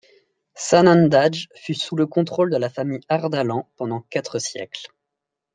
Sanandadj fut sous le contrôle de la famille Ardalan pendant quatre siècles.